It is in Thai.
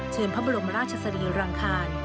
เชิญพระบรมราชสรีรังคาญ